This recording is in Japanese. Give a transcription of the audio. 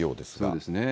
そうですね。